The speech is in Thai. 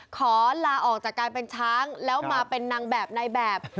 ขอลาออกจากการเป็นช้างแล้วมาเป็นนางแบบในแบบ